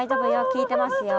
聞いてますよ。